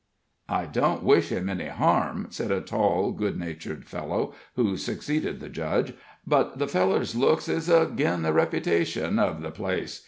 "I don't wish him any harm," said a tall, good natured fellow, who succeeded the judge; "but the feller's looks is agin the reputation uv the place.